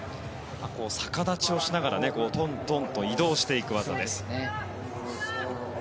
逆立ちをしながらトントンと移動していく技です。